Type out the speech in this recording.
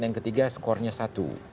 yang ketiga skornya satu